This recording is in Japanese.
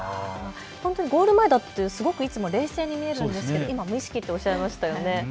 本当にゴール前、いつも冷静に見えるんですけど今、無意識っておっしゃいましたよね。